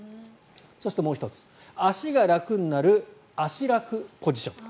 そしてもう１つ足が楽になる足楽ポジション。